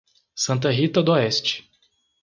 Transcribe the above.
Santa Rita d'Oeste